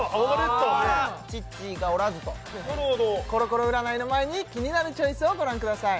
チッチがおらずとなるほどコロコロ占いの前に「キニナルチョイス」をご覧ください